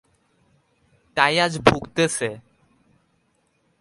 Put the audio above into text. তাই আজ ভুগতেছে।